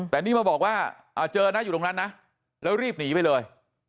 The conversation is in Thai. แต่นี่มาบอกว่าเจอนะอยู่ตรงนั้นนะแล้วรีบหนีไปเลย